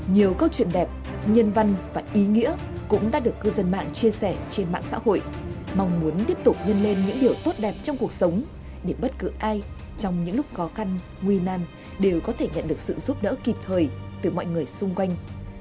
nhiều câu chuyện đẹp nhân văn và ý nghĩa cũng đã được cư dân mạng chia sẻ trên mạng xã hội mong muốn tiếp tục nhân lên những điều tốt đẹp trong cuộc sống để bất cứ ai trong những lúc khó khăn nguy nan đều có thể nhận được sự giúp đỡ kịp thời từ mọi người xung quanh